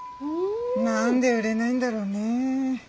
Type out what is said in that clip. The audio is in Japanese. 何で売れないんだろうね。